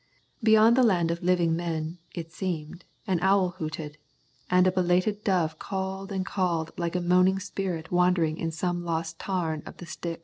Beyond the land of living men, it seemed, an owl hooted, and a belated dove called and called like a moaning spirit wandering in some lost tarn of the Styx.